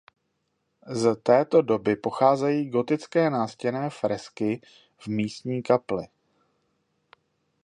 Z této doby pocházejí gotické nástěnné fresky v místní kapli.